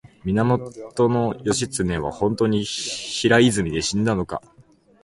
源義経は本当に平泉で死んだのか